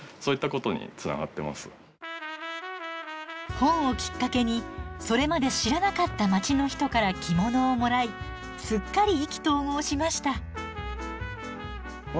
本をきっかけにそれまで知らなかった街の人から着物をもらいすっかり意気投合しました。